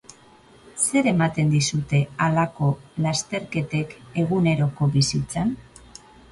Saioko lantaldea komentuan izan da, klausurako komentu baten egunerokoa nolakoa den erakusteko.